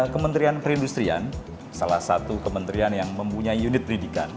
kementerian perindustrian salah satu kementerian yang mempunyai unit pendidikan